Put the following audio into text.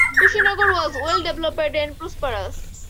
Kushinagar was well developed and prosperous.